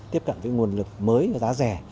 tiếp cận với nguồn lực mới và giá rẻ